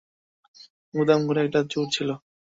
গুদামঘরে একটা চোর ছিলো!